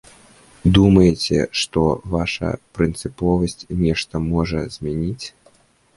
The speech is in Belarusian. Думаеце, што ваша прынцыповасць нешта можа змяніць?